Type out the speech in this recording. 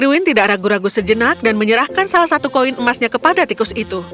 ewin tidak ragu ragu sejenak dan menyerahkan salah satu koin emasnya kepada tikus itu